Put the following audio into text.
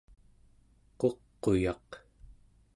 quq'uyaq